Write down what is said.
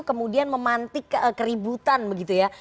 kemudian memantik keributan begitu ya